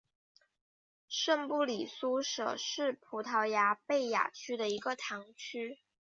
圣布里苏什是葡萄牙贝雅区的一个堂区。